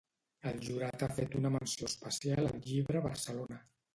El jurat ha fet una menció especial al llibre Barcelona.